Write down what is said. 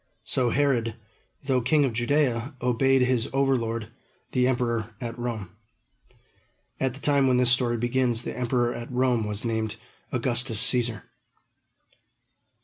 So Herod, though king of Judea, obeyed his overlord, the emperor at Rome. At the time when this story begins, the emperor at Rome was named Augustus Cæsar.